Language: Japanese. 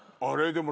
でも。